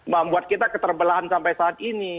membuat kita keterbelahan sampai saat ini